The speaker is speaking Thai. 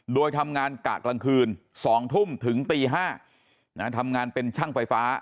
โดยทำงานกะกลางคืน๒ทุ่มถึงตี๕ทำงานเป็นช่างไฟฟ้า